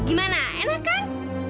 gimana enak kan